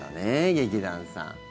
劇団さん。